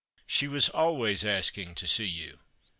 She was always asking to see you.